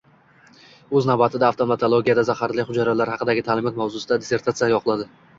O‘z navbatida, “Oftalmologiyada zaharli hujayralar haqidagi ta’limot” mavzusida dissertatsiya yoqladi